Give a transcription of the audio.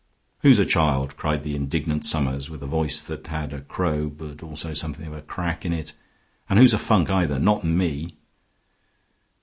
"Who's a child?" cried the indignant Summers, with a voice that had a crow, but also something of a crack in it. "And who's a funk, either? Not me."